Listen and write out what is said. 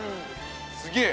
すげえ！